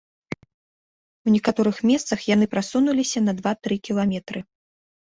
У некаторых месцах яны прасунуліся на два-тры кіламетры.